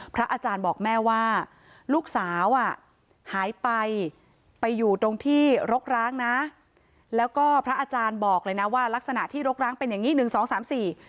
พระอาจารย์บอกแม่ว่าลูกสาวอ่ะหายไปไปอยู่ตรงที่รกร้างนะแล้วก็พระอาจารย์บอกเลยนะว่ารักษณะที่รกร้างเป็นอย่างงี้หนึ่งสองสามสี่